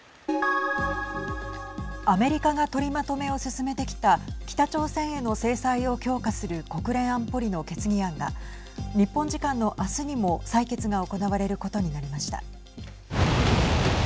アメリカが取りまとめを進めてきた北朝鮮への制裁を強化する国連安保理の決議案が日本時間のあすにも採決が行われることになりました。